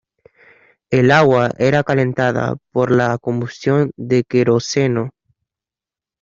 El agua era calentada por la combustión de queroseno.